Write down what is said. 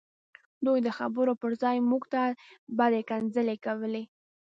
دوی د خبرو پرځای موږ ته بدې کنځلې کولې